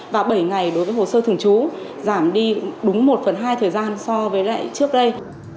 và bảy ngày đối với hồ sơ thường trú giảm đi đúng một phần hai thời gian so với lại trước đây